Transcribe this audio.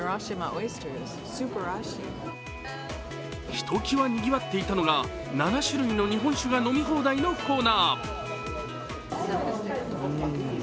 ひときわにぎわっていたのが７種類の日本酒が飲み放題のコーナー。